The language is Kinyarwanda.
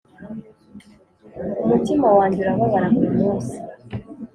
umutima wanjye urababara buri munsi.